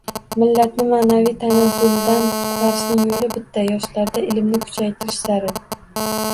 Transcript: Millatni ma`naviy tanazzuldan qutqarishning yo`li bitta yoshlarda ilmni kuchaytirish zarur